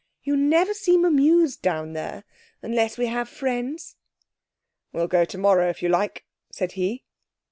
You never seem amused down there unless we have friends.' 'We'll go tomorrow if you like,' said he.